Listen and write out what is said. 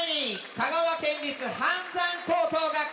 香川県立飯山高等学校！